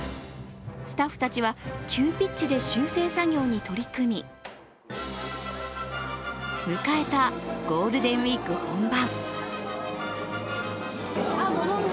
スタッフたちは急ピッチで修正作業に取り組み、迎えたゴールデンウイーク本番。